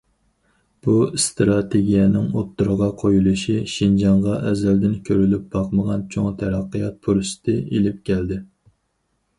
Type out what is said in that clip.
بۇ ئىستراتېگىيەنىڭ ئوتتۇرىغا قويۇلۇشى شىنجاڭغا ئەزەلدىن كۆرۈلۈپ باقمىغان چوڭ تەرەققىيات پۇرسىتى ئېلىپ كەلدى.